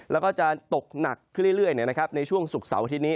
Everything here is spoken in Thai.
แล้วก็จะตกหนักขึ้นเรื่อยในช่วงศุกร์เสาร์อาทิตย์นี้